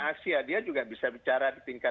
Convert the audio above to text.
asia dia juga bisa bicara di tingkat